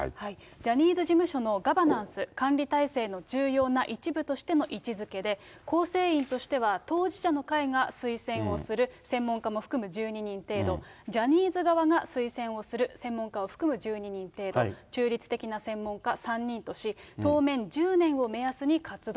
ジャニーズ事務所のガバナンス・管理体制の重要な一部としての位置づけで、構成員としては、当事者の会が推薦をする専門家を含む１２人程度、ジャニーズ側が推薦をする専門家を含む１２人程度、中立的な専門家３人とし、当面１０年を目安に活動。